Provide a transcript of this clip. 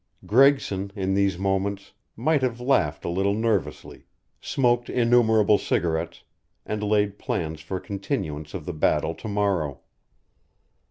Gregson, in these moments, might have laughed a little nervously, smoked innumerable cigarettes, and laid plans for a continuance of the battle to morrow.